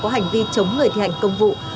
có hành vi chống người thi hành công vụ